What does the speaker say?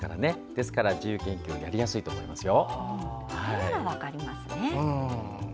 ですから自由研究やりやすいと思いますよ。